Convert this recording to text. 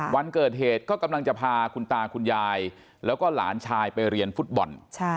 วันเกิดเหตุก็กำลังจะพาคุณตาคุณยายแล้วก็หลานชายไปเรียนฟุตบอล